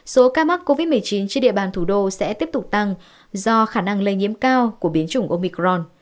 số ca mắc covid một mươi chín trên địa bàn thủ đô sẽ tiếp tục tăng do khả năng lây nhiễm cao của biến chủng omicron